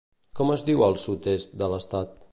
Com es diu al sud-est de l'estat?